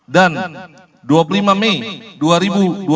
dan dua puluh lima mei dua ribu dua puluh empat